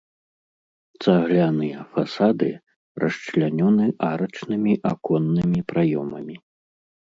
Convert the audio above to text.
Цагляныя фасады расчлянёны арачнымі аконнымі праёмамі.